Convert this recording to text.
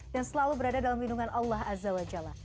dan selalu berada dalam lindungan allah azza wa jalla